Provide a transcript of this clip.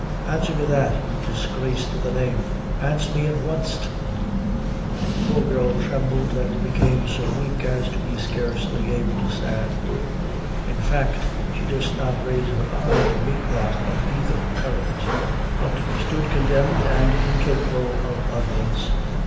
Answer me that, you disgrace to the name answer me at wanst!" The poor girl trembled and became so weak as to be scarcely able to stand: in fact, she durst not raise her eye to meet that of either parent, but stood condemned and incapable of utterance.